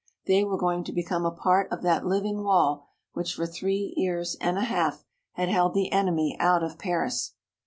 They were going to become a part of that living wall which for three years and a half had held the enemy out of Paris.